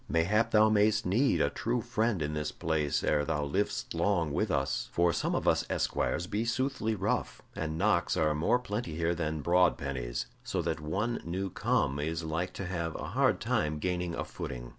Mayhap thou mayst need a true friend in this place ere thou livest long with us, for some of us esquires be soothly rough, and knocks are more plenty here than broad pennies, so that one new come is like to have a hard time gaining a footing."